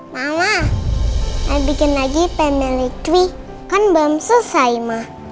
mama aku bikin lagi family tree kan belum selesai ma